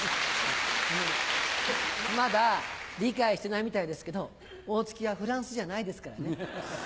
まだ理解してないみたいですけど大月はフランスじゃないですからね。